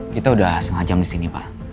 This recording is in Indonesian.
kita sudah setengah jam di sini pak